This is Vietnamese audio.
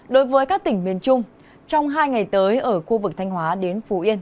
đối với các tỉnh miền trung trong hai ngày tới ở khu vực thanh hóa đến phú yên